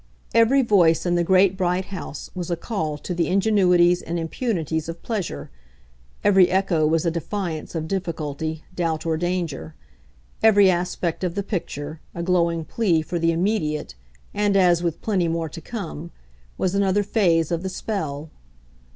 Every voice in the great bright house was a call to the ingenuities and impunities of pleasure; every echo was a defiance of difficulty, doubt or danger; every aspect of the picture, a glowing plea for the immediate, and as with plenty more to come, was another phase of the spell.